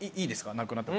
なくなっても。